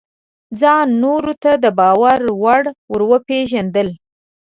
ځان نورو ته د باور وړ ورپېژندل: